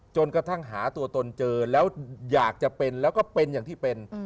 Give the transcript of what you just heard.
จนกระทั่งหาตัวตนเจอแล้วอยากจะเป็นแล้วก็เป็นอย่างที่เป็น